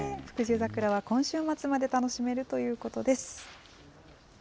福寿桜は今週末まで楽しめるということです。